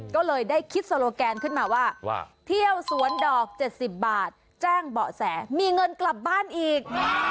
ก็เลยได้คิดโซโลแกนขึ้นมาว่าเที่ยวสวนดอก๗๐บาทแจ้งเบาะแสมีเงินกลับบ้านอีก